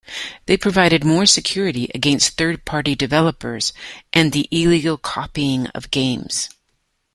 They provided more security against third party developers and the illegal copying of games.